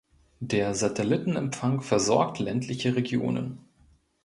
Der Satellitenempfang versorgt ländliche Regionen.